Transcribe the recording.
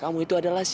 kamu itu adalah andre